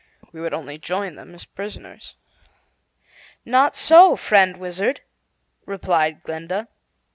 We would only Join them as prisoners." "Not so, friend Wizard," replied Glinda.